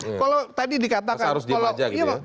kalau tadi dikatakan